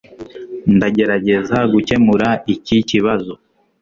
ndagerageza gukemura iki kibazo